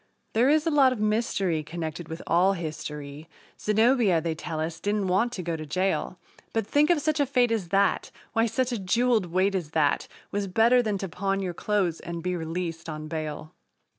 There is a lot of mystery connected with all history Zenobia, they tell us, didn't want to go to jail, But, think of such a fate as that! Why, such a jeweled weight as that Was better than to pawn your clothes and be released on bail!